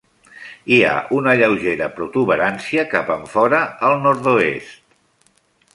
Hi ha una lleugera protuberància cap enfora al nord-oest.